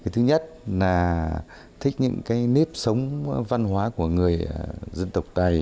thứ nhất là thích những cái nếp sống văn hóa của người dân tộc tày